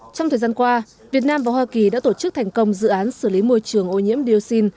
trong thời gian qua việt nam và hoa kỳ đã tổ chức thành công dự án xử lý môi trường ô nhiễm dioxin